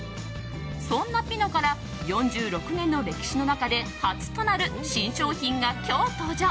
そんなピノから４６年の歴史の中で初となる新商品が今日、登場。